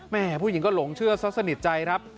แหม่ผู้หญิงก็หลงเชื่อสักสนิทใจครับ